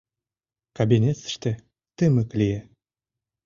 Кабинетыште тымык лие.